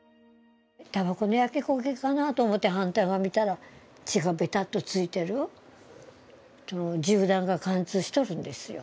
たばこの焼け焦げかなと思って反対側を見たら血がべたっとついている、銃弾が貫通しとるんですよ。